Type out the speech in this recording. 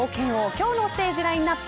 今日のステージラインアップ